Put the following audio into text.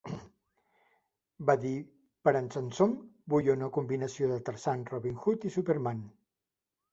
Va dir "per en Samson vull una combinació de Tarzan, Robin Hood i Superman".